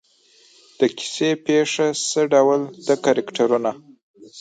د کیسې پېښه څه ډول ده کرکټرونه.